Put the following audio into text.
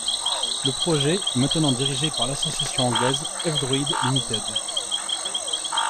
Le projet est maintenant dirigé par l'association anglaise F-Droid Limited.